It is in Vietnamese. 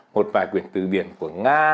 một vài quyển từ điển của nga